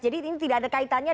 jadi ini tidak ada kaitannya